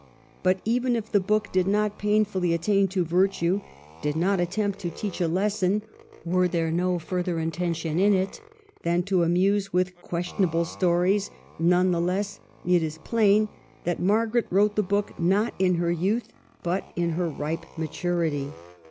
But even if the book did not painfully attain to virtue, did not attempt to teach a lesson, were there no further intention in it than to amuse with ques tionable stories, none the less is it plain that Margaret wrote the book, not in her youth, but in her ripe maturity.